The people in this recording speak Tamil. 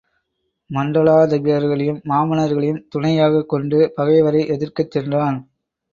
மண்டலாதிபர்களையும் மாமன்னர்களையும் துணை யாகக் கொண்டு பகைவரை எதிர்க்கச் சென்றான்.